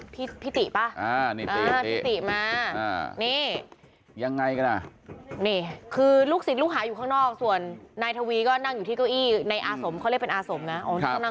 พี่ติป่ะพี่ติมานี่ยังไงกันอ่ะนี่คือลูกศิษย์ลูกหาอยู่ข้างนอกส่วนนายทวีก็นั่งอยู่ที่เก้าอี้ในอาสมเขาเรียกเป็นอาสมนะ